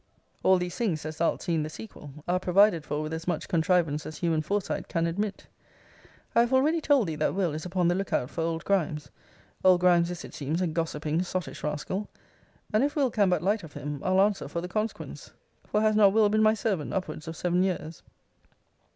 All these things, as thou'lt see in the sequel, are provided for with as much contrivance as human foresight can admit. I have already told thee that Will. is upon the lookout for old Grimes old Grimes is, it seems, a gossiping, sottish rascal; and if Will. can but light of him, I'll answer for the consequence; For has not Will. been my servant upwards of seven years?